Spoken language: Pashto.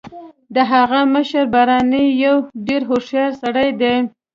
د هغه مشر بارني یو ډیر هوښیار سړی دی